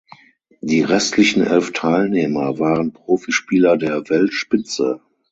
Die restlichen elf Teilnehmer waren Profispieler der Weltspitze.